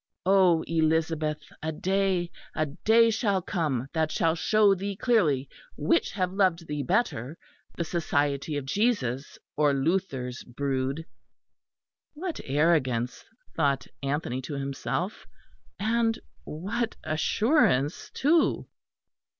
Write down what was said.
O Elizabeth, a day, a day shall come that shall show thee clearly which have loved thee the better, the Society of Jesus or Luther's brood!" What arrogance, thought Anthony to himself, and what assurance too!